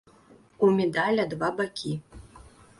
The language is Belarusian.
У медаля два бакі.